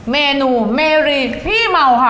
เมนูเมรีขี้เมาค่ะ